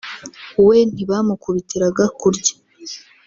we ntibamukubitiraga kurya